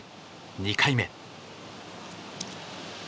２回目。